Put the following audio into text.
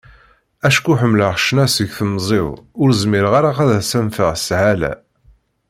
Acku ḥemmleɣ ccna seg temẓi-w, ur zmireɣ ara ad as-anfeɣ s sshala.